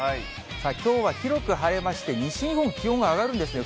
きょうは広く晴れまして、西日本、気温が上がるんですね。